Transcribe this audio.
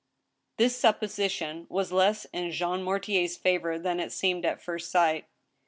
This supposition was less in Jean Mortier's favor than it seemed at first sight.